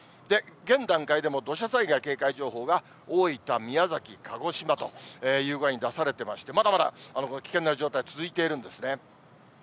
現段階でも土砂災害警戒情報が大分、宮崎、鹿児島という具合に出されてまして、まだまだ危険な状態続いているんですね。